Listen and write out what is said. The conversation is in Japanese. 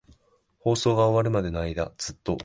放送が終わるまでの間、ずっと。